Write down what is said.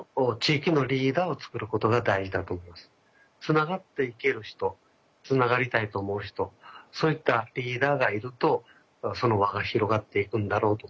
つながっていける人つながりたいと思う人そういったリーダーがいるとその輪が広がっていくんだろうと思いますね。